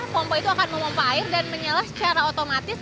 pompa itu akan memompa air dan menyala secara otomatis